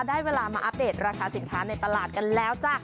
ได้เวลามาอัปเดตราคาสินค้าในตลาดกันแล้วจ้ะ